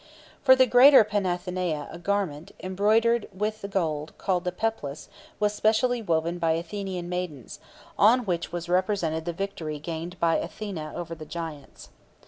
For the Greater Panathenæa a garment, embroidered with gold, called the Peplus, was specially woven by Athenian maidens, on which was represented the victory gained by Athene over the Giants.